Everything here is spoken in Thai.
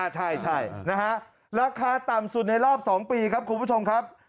ใช่นะฮะราคาต่ำสุดในรอบ๒ปีครับคุณผู้ชมครับ